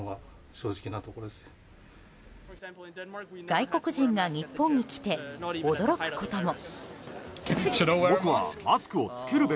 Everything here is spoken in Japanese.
外国人が日本に来て驚くことも。